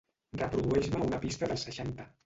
Reprodueix-me una pista dels seixanta.